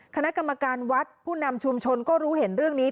คณะกรรมการวัดผู้นำชุมชนก็รู้เห็นเรื่องนี้